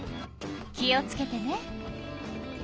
気をつけてね。